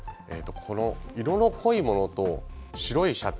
色の濃いものと白いシャツ